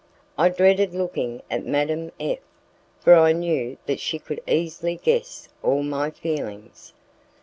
I dreaded looking at Madame F , for I knew that she could easily guess all my feelings.